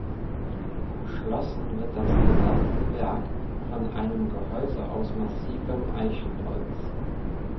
Umschlossen wird das gesamte Werk von einem Gehäuse aus massivem Eichenholz.